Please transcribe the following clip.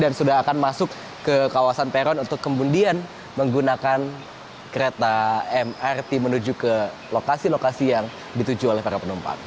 dan sudah akan masuk ke kawasan peron untuk kemudian menggunakan kereta mrt menuju ke lokasi lokasi yang dituju oleh para penumpang